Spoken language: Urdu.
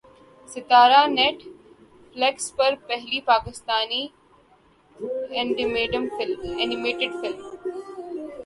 ستارہ نیٹ فلیکس پر پہلی پاکستانی اینیمیٹڈ فلم